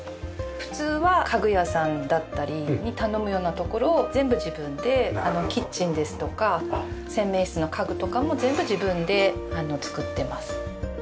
普通は家具屋さんだったりに頼むようなところを全部自分でキッチンですとか洗面室の家具とかも全部自分で作ってます。